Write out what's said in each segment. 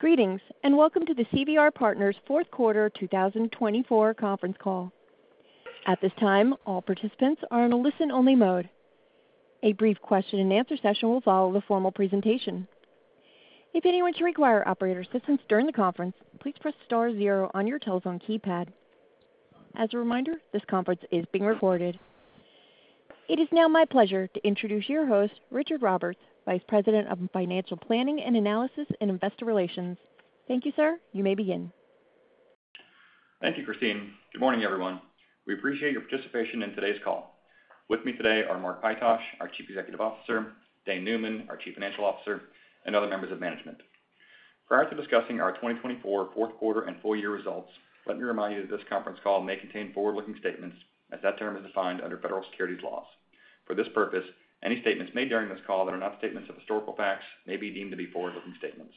Greetings, and welcome to the CVR Partners fourth quarter 2024 conference call. At this time, all participants are in a listen-only mode. A brief question-and-answer session will follow the formal presentation. If anyone should require operator assistance during the conference, please press star zero on your telephone keypad. As a reminder, this conference is being recorded. It is now my pleasure to introduce your host, Richard Roberts, Vice President of Financial Planning and Analysis and Investor Relations. Thank you, sir. You may begin. Thank you, Christine. Good morning, everyone. We appreciate your participation in today's call. With me today are Mark Pytosh, our Chief Executive Officer, Dane Neumann, our Chief Financial Officer, and other members of management. Prior to discussing our 2024 fourth quarter and full-year results, let me remind you that this conference call may contain forward-looking statements, as that term is defined under federal securities laws. For this purpose, any statements made during this call that are not statements of historical facts may be deemed to be forward-looking statements.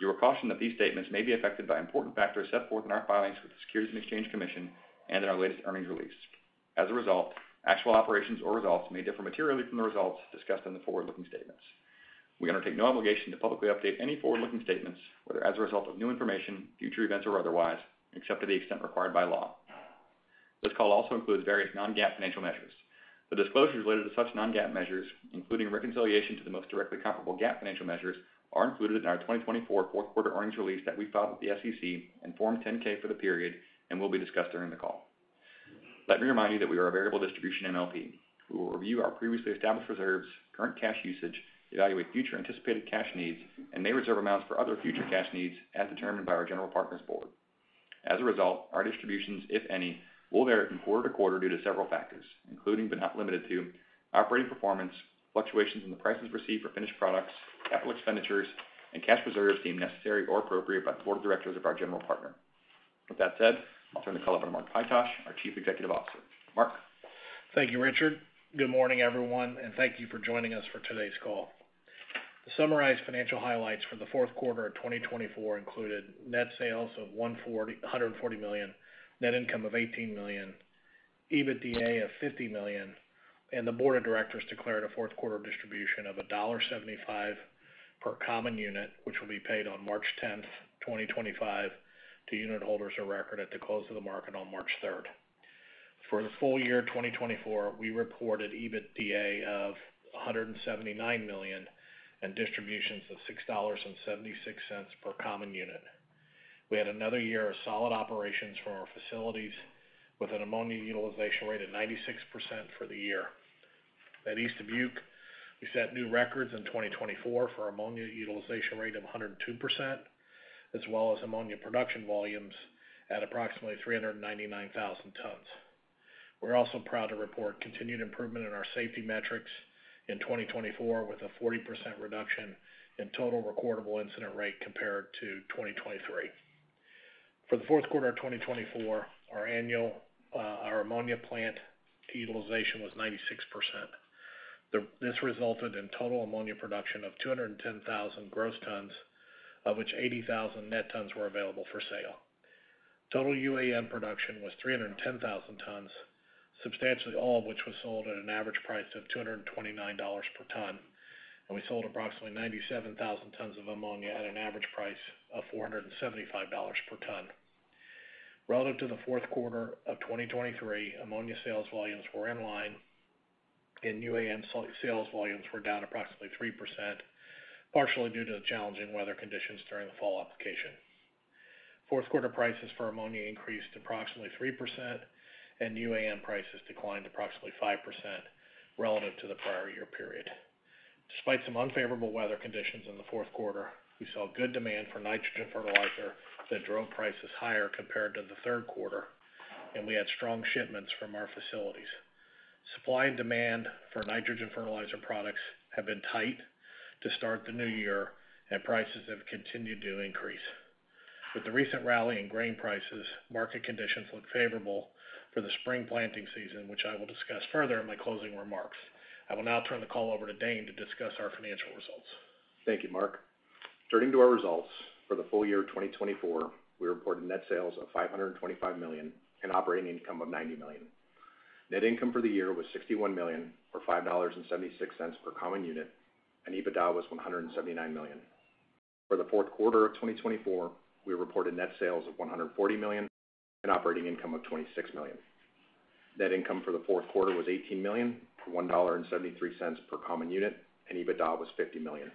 You are cautioned that these statements may be affected by important factors set forth in our filings with the Securities and Exchange Commission and in our latest earnings release. As a result, actual operations or results may differ materially from the results discussed in the forward-looking statements. We undertake no obligation to publicly update any forward-looking statements, whether as a result of new information, future events, or otherwise, except to the extent required by law. This call also includes various non-GAAP financial measures. The disclosures related to such non-GAAP measures, including reconciliation to the most directly comparable GAAP financial measures, are included in our 2024 fourth quarter earnings release that we filed with the SEC and Form 10-K for the period, and will be discussed during the call. Let me remind you that we are a variable distribution MLP. We will review our previously established reserves, current cash usage, evaluate future anticipated cash needs, and may reserve amounts for other future cash needs as determined by our General Partner's Board. As a result, our distributions, if any, will vary from quarter to quarter due to several factors, including but not limited to operating performance, fluctuations in the prices received for finished products, capital expenditures, and cash reserves deemed necessary or appropriate by the Board of Directors of our General Partner. With that said, I'll turn the call over to Mark Pytosh, our Chief Executive Officer. Mark. Thank you, Richard. Good morning, everyone, and thank you for joining us for today's call. To summarize, financial highlights for the fourth quarter of 2024 included net sales of $140 million, net income of $18 million, EBITDA of $50 million, and the Board of Directors declared a fourth quarter distribution of $1.75 per common unit, which will be paid on March 10, 2025, to unit holders of record at the close of the market on March 3. For the full year 2024, we reported EBITDA of $179 million and distributions of $6.76 per common unit. We had another year of solid operations for our facilities with an ammonia utilization rate of 96% for the year. At East Dubuque, we set new records in 2024 for ammonia utilization rate of 102%, as well as ammonia production volumes at approximately 399,000 tons. We're also proud to report continued improvement in our safety metrics in 2024 with a 40% reduction in total recordable incident rate compared to 2023. For the fourth quarter of 2024, our ammonia plant utilization was 96%. This resulted in total ammonia production of 210,000 gross tons, of which 80,000 net tons were available for sale. Total UAN production was 310,000 tons, substantially all of which was sold at an average price of $229 per ton, and we sold approximately 97,000 tons of ammonia at an average price of $475 per ton. Relative to the fourth quarter of 2023, ammonia sales volumes were in line, and UAN sales volumes were down approximately 3%, partially due to the challenging weather conditions during the fall application. fourth quarter prices for ammonia increased approximately 3%, and UAN prices declined approximately 5% relative to the prior year period. Despite some unfavorable weather conditions in the fourth quarter, we saw good demand for nitrogen fertilizer that drove prices higher compared to the third quarter, and we had strong shipments from our facilities. Supply and demand for nitrogen fertilizer products have been tight to start the new year, and prices have continued to increase. With the recent rally in grain prices, market conditions look favorable for the spring planting season, which I will discuss further in my closing remarks. I will now turn the call over to Dane to discuss our financial results. Thank you, Mark. Turning to our results for the full year 2024, we reported net sales of $525 million and operating income of $90 million. Net income for the year was $61 million, or $5.76 per common unit, and EBITDA was $179 million. For the fourth quarter of 2024, we reported net sales of $140 million and operating income of $26 million. Net income for the fourth quarter was $18 million, or $1.73 per common unit, and EBITDA was $50 million.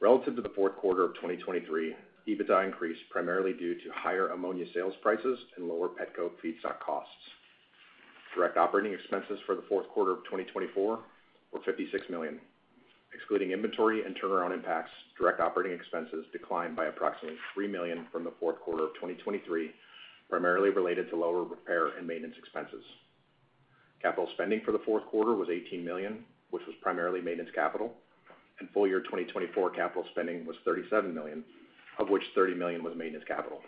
Relative to the fourth quarter of 2023, EBITDA increased primarily due to higher ammonia sales prices and lower petcoke feedstock costs. Direct operating expenses for the fourth quarter of 2024 were $56 million. Excluding inventory and turnaround impacts, direct operating expenses declined by approximately $3 million from the fourth quarter of 2023, primarily related to lower repair and maintenance expenses. Capital spending for the fourth quarter was $18 million, which was primarily maintenance capital, and full-year 2024 capital spending was $37 million, of which $30 million was maintenance capital.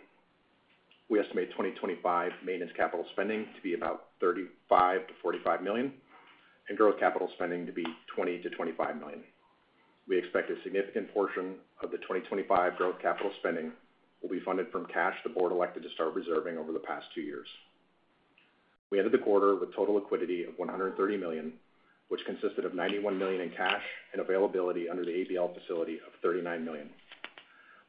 We estimate 2025 maintenance capital spending to be about $35 million-$45 million and growth capital spending to be $20 million-$25 million. We expect a significant portion of the 2025 growth capital spending will be funded from cash the Board elected to start reserving over the past two years. We ended the quarter with total liquidity of $130 million, which consisted of $91 million in cash and availability under the ABL facility of $39 million.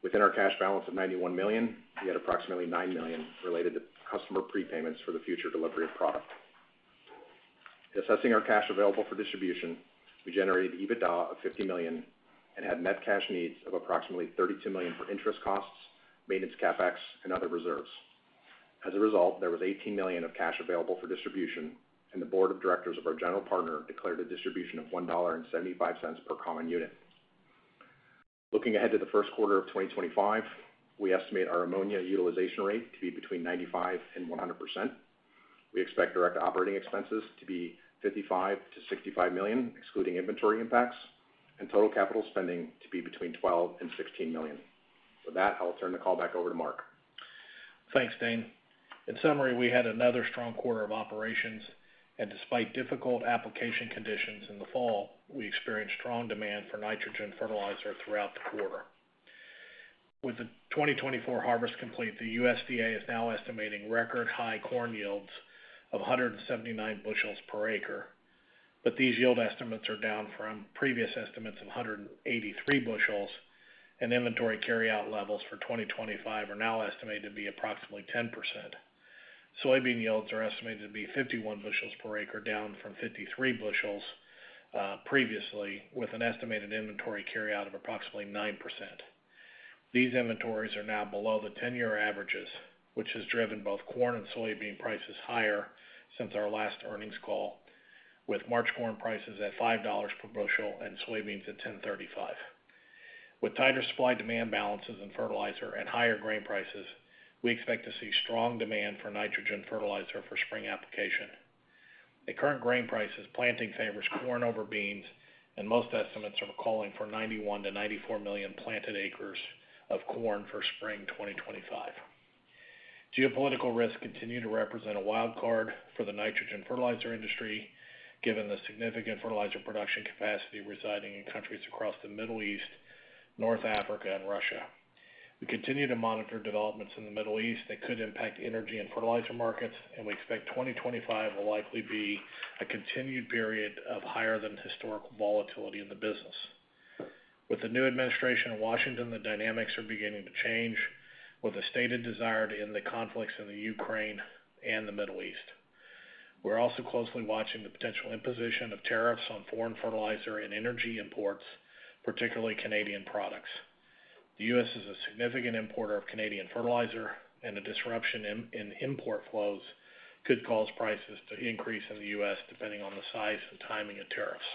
Within our cash balance of $91 million, we had approximately $9 million related to customer prepayments for the future delivery of product. Assessing our cash available for distribution, we generated EBITDA of $50 million and had net cash needs of approximately $32 million for interest costs, maintenance CapEx, and other reserves. As a result, there was $18 million of cash available for distribution, and the Board of Directors of our General Partner declared a distribution of $1.75 per common unit. Looking ahead to the first quarter of 2025, we estimate our ammonia utilization rate to be between 95 and 100%. We expect direct operating expenses to be $55 million-$65 million, excluding inventory impacts, and total capital spending to be between $12 and $16 million. With that, I'll turn the call back over to Mark. Thanks, Dane. In summary, we had another strong quarter of operations, and despite difficult application conditions in the fall, we experienced strong demand for nitrogen fertilizer throughout the quarter. With the 2024 harvest complete, the USDA is now estimating record high corn yields of 179 bushels per acre, but these yield estimates are down from previous estimates of 183 bushels, and inventory carryout levels for 2025 are now estimated to be approximately 10%. Soybean yields are estimated to be 51 bushels per acre, down from 53 bushels previously, with an estimated inventory carryout of approximately 9%. These inventories are now below the 10-year averages, which has driven both corn and soybean prices higher since our last earnings call, with March corn prices at $5 per bushel and soybeans at $10.35. With tighter supply-demand balances in fertilizer and higher grain prices, we expect to see strong demand for nitrogen fertilizer for spring application. At current grain prices, planting favors corn over beans, and most estimates are calling for $91 million-$94 million planted acres of corn for spring 2025. Geopolitical risks continue to represent a wild card for the nitrogen fertilizer industry, given the significant fertilizer production capacity residing in countries across the Middle East, North Africa, and Russia. We continue to monitor developments in the Middle East that could impact energy and fertilizer markets, and we expect 2025 will likely be a continued period of higher-than-historical volatility in the business. With the new administration in Washington, the dynamics are beginning to change, with a stated desire to end the conflicts in the Ukraine and the Middle East. We're also closely watching the potential imposition of tariffs on foreign fertilizer and energy imports, particularly Canadian products. The U.S. is a significant importer of Canadian fertilizer, and a disruption in import flows could cause prices to increase in the U.S., depending on the size and timing of tariffs.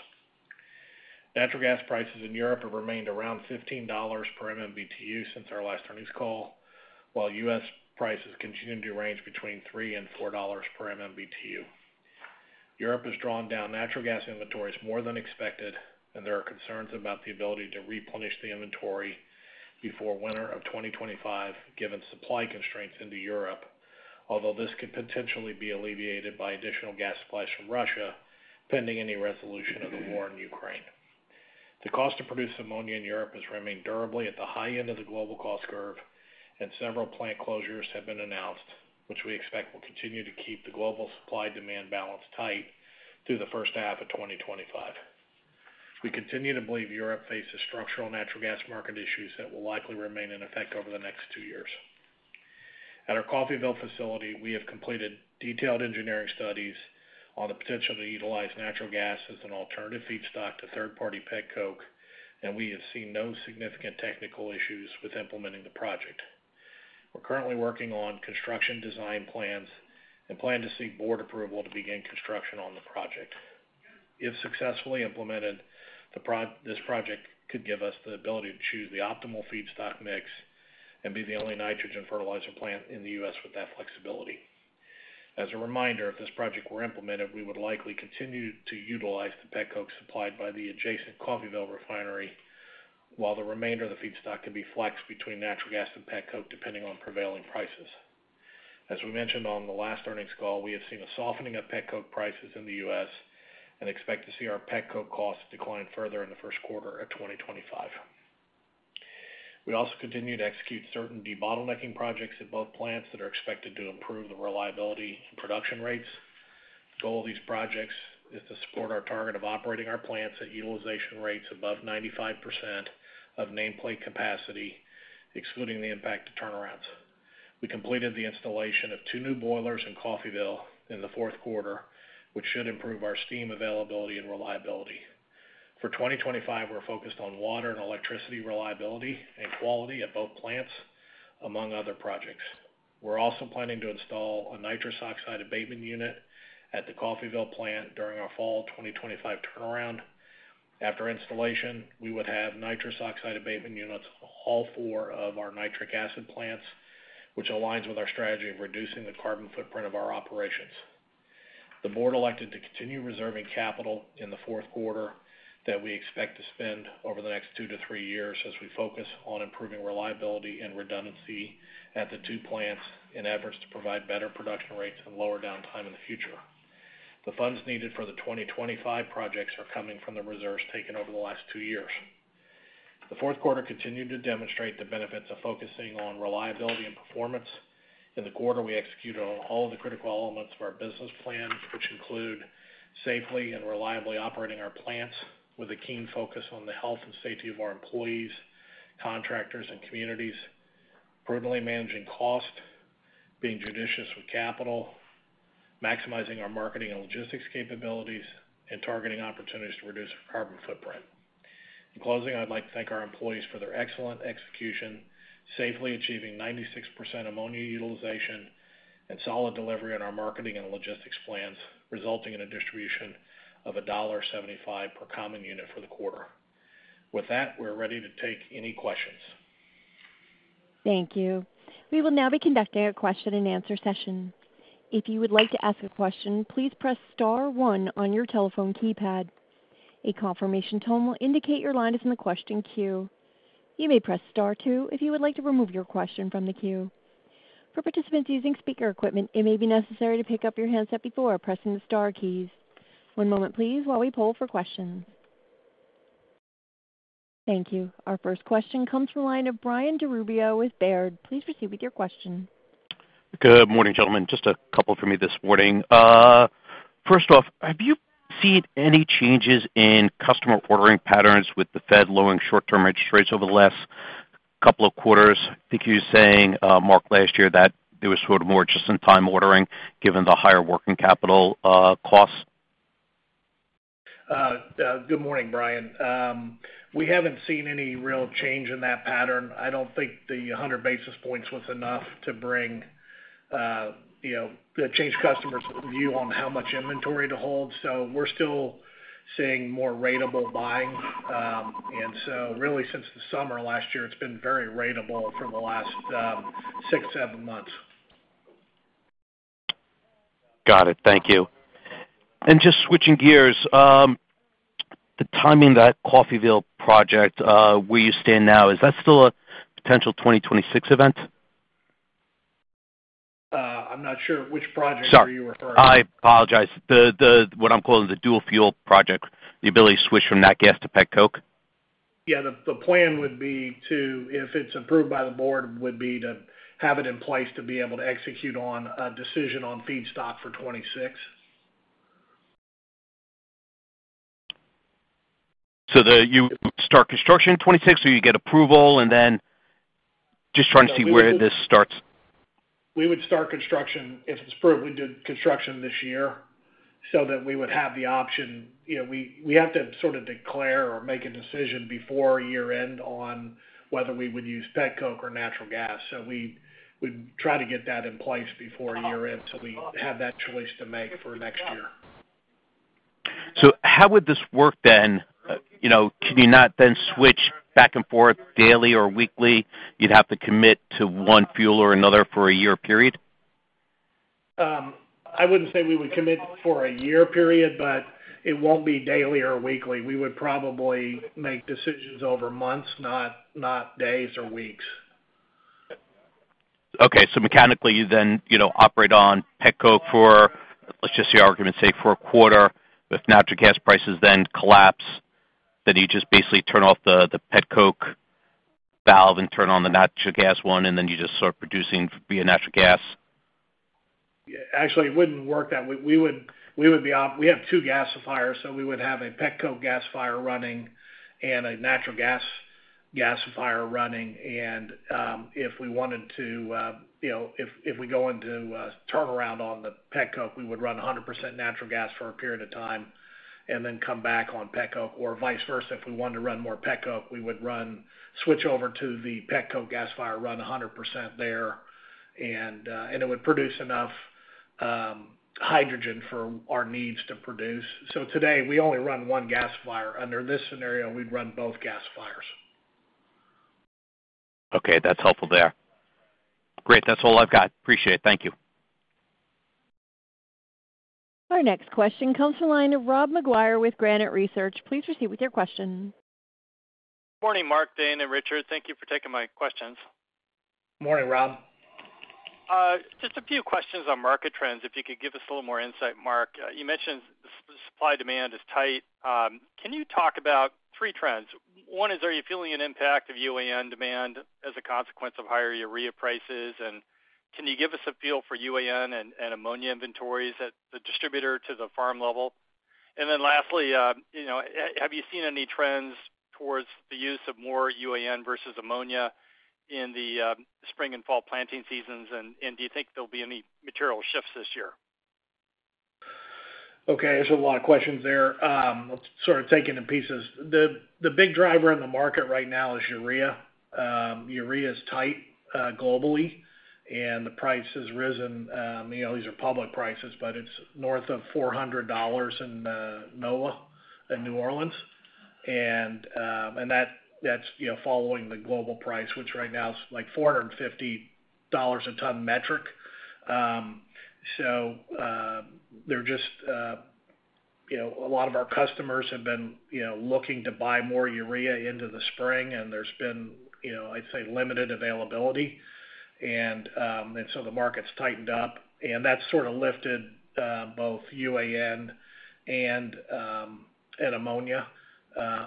Natural gas prices in Europe have remained around $15 per MMBtu since our last earnings call, while U.S. prices continue to range between $3 and $4 per MMBtu. Europe has drawn down natural gas inventories more than expected, and there are concerns about the ability to replenish the inventory before winter of 2025, given supply constraints into Europe, although this could potentially be alleviated by additional gas supplies from Russia, pending any resolution of the war in Ukraine. The cost to produce ammonia in Europe has remained durably at the high end of the global cost curve, and several plant closures have been announced, which we expect will continue to keep the global supply-demand balance tight through the first half of 2025. We continue to believe Europe faces structural natural gas market issues that will likely remain in effect over the next two years. At our Coffeyville facility, we have completed detailed engineering studies on the potential to utilize natural gas as an alternative feedstock to third-party pet coke, and we have seen no significant technical issues with implementing the project. We're currently working on construction design plans and plan to seek Board approval to begin construction on the project. If successfully implemented, this project could give us the ability to choose the optimal feedstock mix and be the only nitrogen fertilizer plant in the U.S. with that flexibility. As a reminder, if this project were implemented, we would likely continue to utilize the petroleum coke supplied by the adjacent Coffeyville refinery, while the remainder of the feedstock could be flexed between natural gas and petroleum coke depending on prevailing prices. As we mentioned on the last earnings call, we have seen a softening of petroleum coke prices in the U.S. and expect to see our petroleum coke costs decline further in the first quarter of 2025. We also continue to execute certain debottlenecking projects at both plants that are expected to improve the reliability and production rates. The goal of these projects is to support our target of operating our plants at utilization rates above 95% of nameplate capacity, excluding the impact of turnarounds. We completed the installation of two new boilers in Coffeyville in the fourth quarter, which should improve our steam availability and reliability. For 2025, we're focused on water and electricity reliability and quality at both plants, among other projects. We're also planning to install a nitrous oxide abatement unit at the Coffeyville plant during our fall 2025 turnaround. After installation, we would have nitrous oxide abatement units on all four of our nitric acid plants, which aligns with our strategy of reducing the carbon footprint of our operations. The Board elected to continue reserving capital in the fourth quarter that we expect to spend over the next two to three years as we focus on improving reliability and redundancy at the two plants in efforts to provide better production rates and lower downtime in the future. The funds needed for the 2025 projects are coming from the reserves taken over the last two years. The fourth quarter continued to demonstrate the benefits of focusing on reliability and performance. In the quarter, we executed on all of the critical elements of our business plan, which include safely and reliably operating our plants with a keen focus on the health and safety of our employees, contractors, and communities, prudently managing costs, being judicious with capital, maximizing our marketing and logistics capabilities, and targeting opportunities to reduce our carbon footprint. In closing, I'd like to thank our employees for their excellent execution, safely achieving 96% ammonia utilization and solid delivery on our marketing and logistics plans, resulting in a distribution of $1.75 per common unit for the quarter. With that, we're ready to take any questions. Thank you. We will now be conducting a question-and-answer session. If you would like to ask a question, please press star one on your telephone keypad. A confirmation tone will indicate your line is in the question queue. You may press star two if you would like to remove your question from the queue. For participants using speaker equipment, it may be necessary to pick up your handset before pressing the star keys. One moment, please, while we pull for questions. Thank you. Our first question comes from the line of Brian DiRubio with Baird. Please proceed with your question. Good morning, gentlemen. Just a couple for me this morning. First off, have you seen any changes in customer ordering patterns with the Fed lowering short-term interest rates over the last couple of quarters? I think you were saying, Mark, last year that there was sort of more just-in-time ordering given the higher working capital costs. Good morning, Brian. We haven't seen any real change in that pattern. I don't think the 100 basis points was enough to change customers' view on how much inventory to hold. So we're still seeing more ratable buying. And so really, since the summer last year, it's been very ratable for the last six, seven months. Got it. Thank you. And just switching gears, the timing of that Coffeyville project where you stand now, is that still a potential 2026 event? I'm not sure which project you're referring to. I apologize. What I'm calling the dual-fuel project, the ability to switch from nat gas to pet coke? Yeah. The plan would be to, if it's approved by the Board, would be to have it in place to be able to execute on a decision on feedstock for 2026. So, you would start construction in 2026, or you get approval, and then just trying to see where this starts? We would start construction. If it's approved, we'd do construction this year so that we would have the option. We have to sort of declare or make a decision before year-end on whether we would use pet coke or natural gas. So we'd try to get that in place before year-end so we have that choice to make for next year. So how would this work then? Can you not then switch back and forth daily or weekly? You'd have to commit to one fuel or another for a year period? I wouldn't say we would commit for a year period, but it won't be daily or weekly. We would probably make decisions over months, not days or weeks. Okay, so mechanically, you then operate on pet coke for, let's just say, for a quarter. If natural gas prices then collapse, then you just basically turn off the pet coke valve and turn on the natural gas one, and then you're just sort of producing via natural gas? Actually, it wouldn't work that way. We would be - we have two gasifiers, so we would have a pet coke gasifier running and a natural gas gasifier running. And if we wanted to - if we go into a turnaround on the pet coke, we would run 100% natural gas for a period of time and then come back on pet coke, or vice versa. If we wanted to run more pet coke, we would switch over to the pet coke gasifier, run 100% there, and it would produce enough hydrogen for our needs to produce. So today, we only run one gasifier. Under this scenario, we'd run both gasifiers. Okay. That's helpful there. Great. That's all I've got. Appreciate it. Thank you. Our next question comes from the line of Rob McGuire with Granite Research. Please proceed with your question. Good morning, Mark, Dane, and Richard. Thank you for taking my questions. Morning, Rob. Just a few questions on market trends. If you could give us a little more insight, Mark? You mentioned supply-demand is tight. Can you talk about three trends? One is, are you feeling an impact of UAN demand as a consequence of higher urea prices? And can you give us a feel for UAN and ammonia inventories at the distributor to the farm level? And then lastly, have you seen any trends towards the use of more UAN versus ammonia in the spring and fall planting seasons? And do you think there'll be any material shifts this year? Okay. There's a lot of questions there. Let's sort of take it in pieces. The big driver in the market right now is urea. Urea is tight globally, and the price has risen. These are public prices, but it's north of $400 in NOLA in New Orleans, and that's following the global price, which right now is like $450 a metric ton. So there are just a lot of our customers have been looking to buy more urea into the spring, and there's been, I'd say, limited availability. And so the market's tightened up, and that's sort of lifted both UAN and ammonia.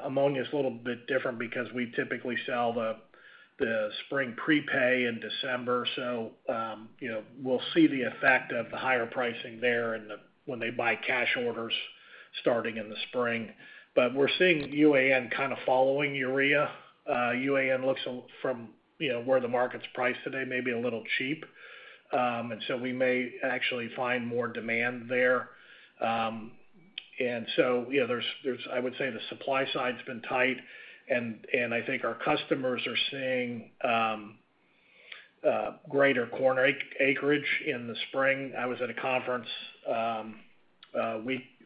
Ammonia is a little bit different because we typically sell the spring prepay in December. So we'll see the effect of the higher pricing there when they buy cash orders starting in the spring, but we're seeing UAN kind of following urea. UAN looks from where the market's priced today maybe a little cheap. And so we may actually find more demand there. And so I would say the supply side's been tight. And I think our customers are seeing greater corn acreage in the spring. I was at a conference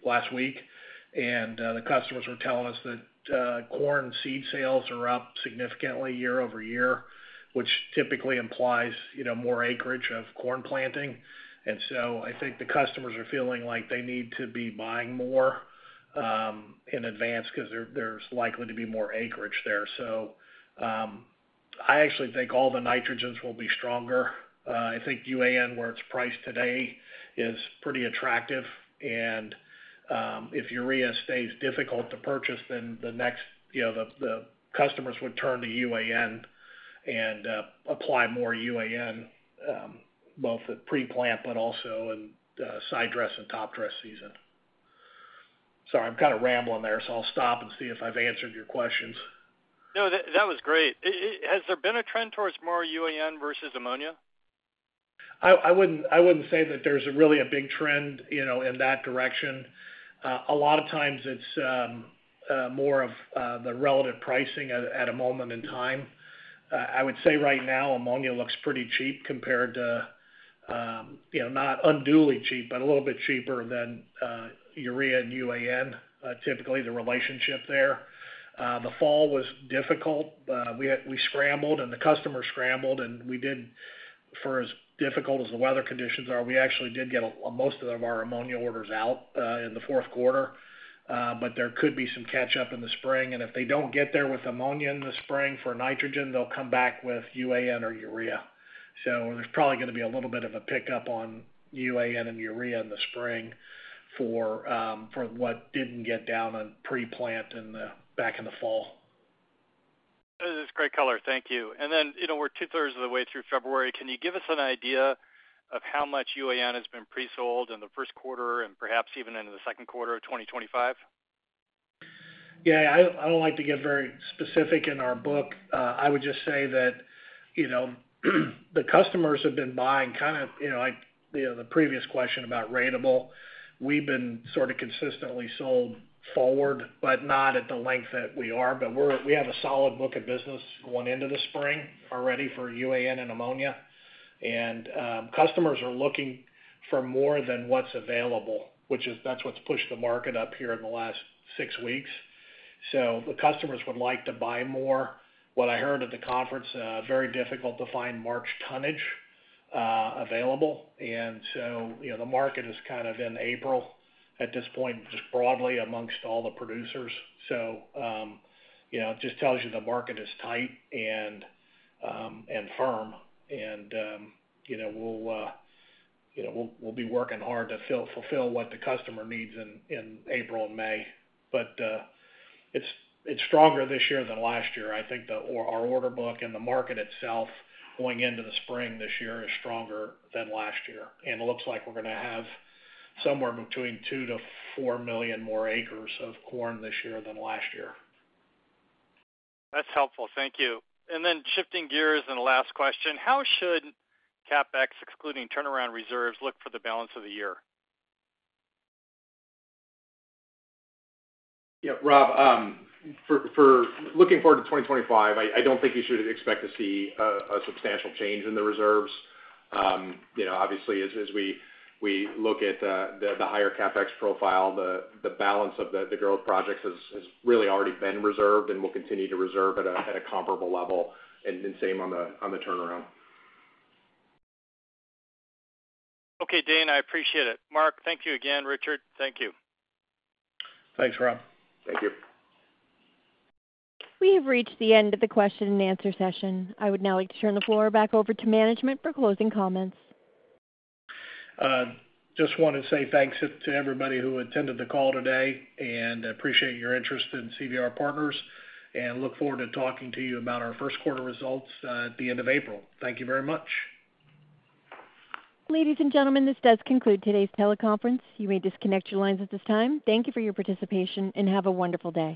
last week, and the customers were telling us that corn seed sales are up significantly year over year, which typically implies more acreage of corn planting. And so I think the customers are feeling like they need to be buying more in advance because there's likely to be more acreage there. So I actually think all the nitrogens will be stronger. I think UAN, where it's priced today, is pretty attractive. And if urea stays difficult to purchase, then the customers would turn to UAN and apply more UAN, both at preplant but also in side dress and top dress season. Sorry, I'm kind of rambling there, so I'll stop and see if I've answered your questions. No, that was great. Has there been a trend towards more UAN versus ammonia? I wouldn't say that there's really a big trend in that direction. A lot of times, it's more of the relative pricing at a moment in time. I would say right now, ammonia looks pretty cheap compared to not unduly cheap, but a little bit cheaper than urea and UAN, typically the relationship there. The fall was difficult. We scrambled, and the customers scrambled, and for as difficult as the weather conditions are, we actually did get most of our ammonia orders out in the fourth quarter, but there could be some catch-up in the spring, and if they don't get there with ammonia in the spring for nitrogen, they'll come back with UAN or urea, so there's probably going to be a little bit of a pickup on UAN and urea in the spring for what didn't get down on preplant back in the fall. That is a great color. Thank you. And then we're two-thirds of the way through February. Can you give us an idea of how much UAN has been presold in the first quarter and perhaps even in the second quarter of 2025? Yeah. I don't like to get very specific in our book. I would just say that the customers have been buying kind of the previous question about ratable. We've been sort of consistently sold forward, but not at the length that we are. But we have a solid book of business going into the spring already for UAN and ammonia. And customers are looking for more than what's available, which is, that's what's pushed the market up here in the last six weeks. So the customers would like to buy more. What I heard at the conference, very difficult to find March tonnage available. And so the market is kind of in April at this point, just broadly amongst all the producers. So it just tells you the market is tight and firm. And we'll be working hard to fulfill what the customer needs in April and May. But it's stronger this year than last year. I think our order book and the market itself going into the spring this year is stronger than last year. And it looks like we're going to have somewhere between two to four million more acres of corn this year than last year. That's helpful. Thank you. And then, shifting gears, and the last question, how should CapEx, excluding turnaround reserves, look for the balance of the year? Yeah. Rob, for looking forward to 2025, I don't think you should expect to see a substantial change in the reserves. Obviously, as we look at the higher CapEx profile, the balance of the growth projects has really already been reserved and will continue to reserve at a comparable level, and same on the turnaround. Okay, Dane, I appreciate it. Mark, thank you again. Richard, thank you. Thanks, Rob. Thank you. We have reached the end of the question-and-answer session. I would now like to turn the floor back over to management for closing comments. Just wanted to say thanks to everybody who attended the call today and appreciate your interest in CVR Partners and look forward to talking to you about our first quarter results at the end of April. Thank you very much. Ladies and gentlemen, this does conclude today's teleconference. You may disconnect your lines at this time. Thank you for your participation and have a wonderful day.